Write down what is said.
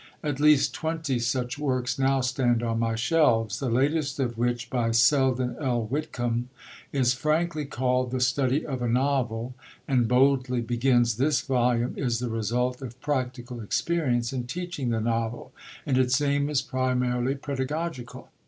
At least twenty such works now stand on my shelves, the latest of which (by Selden L. Whitcomb) is frankly called "The Study of a Novel," and boldly begins: "This volume is the result of practical experience in teaching the novel, and its aim is primarily pedagogical."